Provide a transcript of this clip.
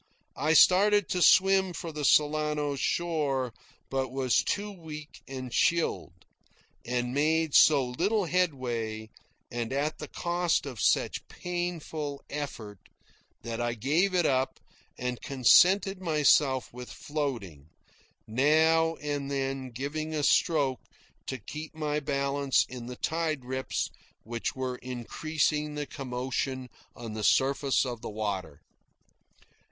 I started to swim for the Solano shore, but was too weak and chilled, and made so little headway, and at the cost of such painful effort, that I gave it up and contented myself with floating, now and then giving a stroke to keep my balance in the tide rips which were increasing their commotion on the surface of the water.